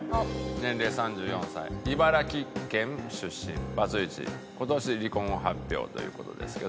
「年齢３４歳茨城県出身」「バツイチ今年離婚を発表」という事ですけどもね。